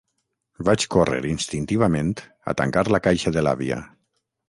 Vaig córrer instintivament a tancar la caixa de l'àvia.